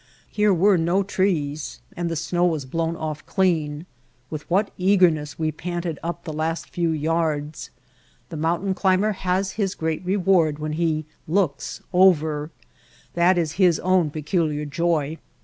Here were no trees and the snow was blown off clean. With what eagerness we panted up the last few yards! The mountain climber has his great reward when he [■87] White Heart of Mojave ''looks over." That is his own peculiar joy.